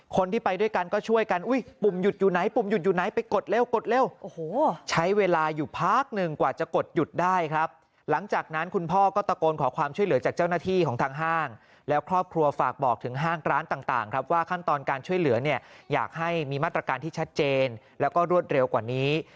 คนที่ไปด้วยกันก็ช่วยกันอุ้ยปุ่มหยุดอยู่ไหนปุ่มหยุดอยู่ไหนไปกดเร็วกดเร็วโอ้โหใช้เวลาอยู่พักหนึ่งกว่าจะกดหยุดได้ครับหลังจากนั้นคุณพ่อก็ตะโกนขอความช่วยเหลือจากเจ้าหน้าที่ของทางห้างแล้วครอบครัวฝากบอกถึงห้างร้านต่างครับว่าขั้นตอนการช่วยเหลือเนี่ยอยากให้มีมาตรการที่ชัดเจนแล้วก็รวดเร็วกว่านี้